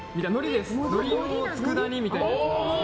のりのつくだ煮みたいな。